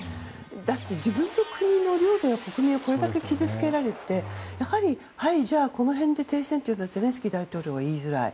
だって自分の国の領土をこれだけ傷つけられてはい、じゃあこの辺で停戦とゼレンスキー大統領は言いづらい。